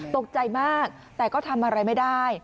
ตกใจมากแต่ก็ทำอะไรไม่ได้